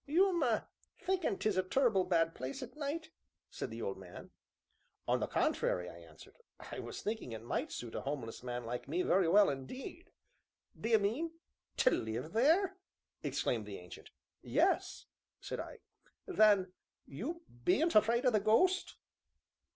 "You 'm thinkin' 'tis a tur'ble bad place at night?" said the old man. "On the contrary," I answered, "I was thinking it might suit a homeless man like me very well indeed." "D'ye mean to live there?" exclaimed the Ancient. "Yes," said I. "Then you bean't afraid o' the ghost?"